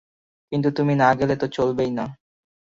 কিন্তু তুমি না গেলে তো চলবেই না।